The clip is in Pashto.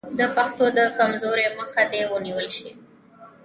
د پښتو د کمزورۍ مخه دې ونیول شي.